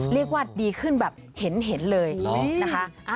เรียกว่าดีขึ้นแบบเห็นเลยนะคะ